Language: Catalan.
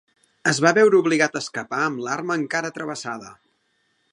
Es va veure obligat a escapar amb l'arma encara travessada.